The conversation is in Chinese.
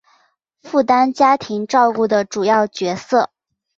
负担家庭照顾的主要角色